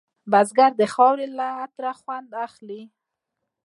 بزګر د خاورې له عطره خوند اخلي